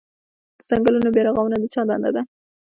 د ځنګلونو بیا رغونه د چا دنده ده؟